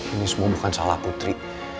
ini semua bukan salah putri